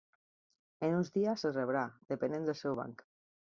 En uns dies el rebrà, depenent del seu banc.